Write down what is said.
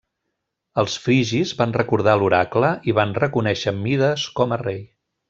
Els frigis van recordar l'oracle i van reconèixer Mides com a rei.